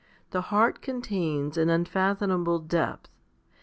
The heart contains an unfathomable depth.